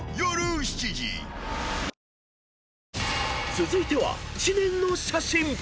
［続いては知念の写真］